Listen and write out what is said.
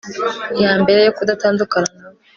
ya mbere yo kudatandukana n'abo